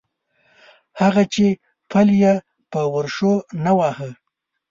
هغه چې پل یې په ورشو نه واهه.